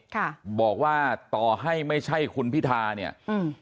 ค่ะบอกว่าต่อให้ไม่ใช่คุณพิธาเนี่ยอืม